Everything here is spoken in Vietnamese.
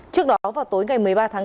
trước đó vào tối ngày một mươi ba tháng bốn